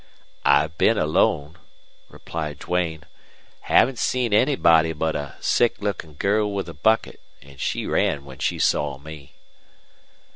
"I've been alone," replied Duane. "Haven't seen anybody but a sick looking girl with a bucket. And she ran when she saw me."